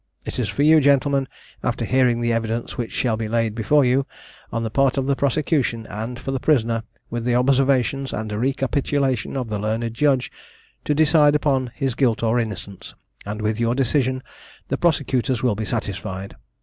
It is for you, gentlemen, after hearing the evidence which shall be laid before you, on the part of the prosecution, and for the prisoner, with the observations and recapitulation of the learned judge, to decide upon his guilt or innocence, and with your decision the prosecutors will be satisfied.